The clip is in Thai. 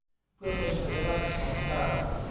เพื่อเป็นสัญลักษณ์ของการ